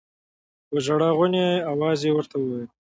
په ژړا غوني اواز يې ورته وويل.